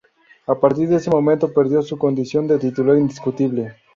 A partir de ese momento, perdió su condición de titular indiscutible.